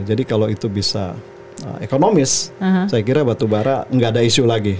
jadi kalau itu bisa ekonomis saya kira batubara nggak ada isu lagi